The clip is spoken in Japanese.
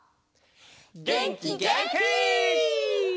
げんきげんき！